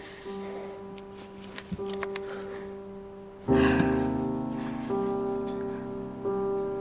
はあ。